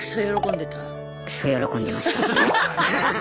クソ喜んでました。